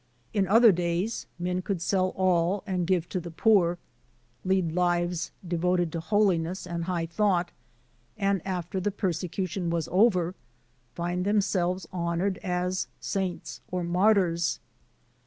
In other days, men could sell all and give to the poor, lead lives devoted to holiness and high thought, and, after die persecution was over, find themselves honored as saints or martyrs.